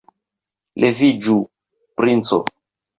Leviĝu, princo.